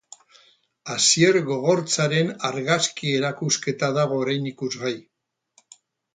Asier Gogortzaren argazki erakusketa dago orain ikusgai.